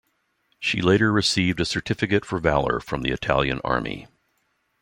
She later received a certificate for valour from the Italian army.